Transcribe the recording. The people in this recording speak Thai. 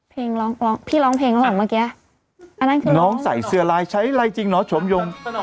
เพลงร้องพี่ร้องเพลงเหรอเมื่อกี้น้องใส่เสือลายใช้อะไรจริงเหรอฉมยง